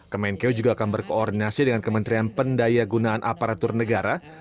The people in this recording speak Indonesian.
kemenkeu juga akan berkoordinasi dengan kementerian pendaya gunaan aparatur negara